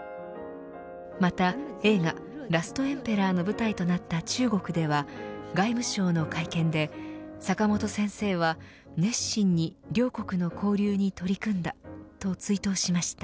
また映画ラストエンペラーの舞台となった中国では外務省の会見で坂本先生は熱心に両国の交流に取り組んだと追悼しました。